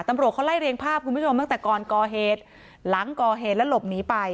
ตำรวจเขาไล่เรียงภาพคุณผู้ชมตั้งแต่ก่อนก่อเหตุหลังก่อเหตุแล้วหลบหนีไป